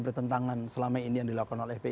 bertentangan selama ini yang dilakukan oleh fpi